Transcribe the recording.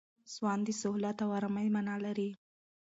سوان د سهولت او آرامۍ مانا لري.